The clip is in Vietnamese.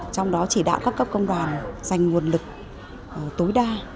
trong đó chỉ đạo các cấp công đoàn dành nguồn lực tối đa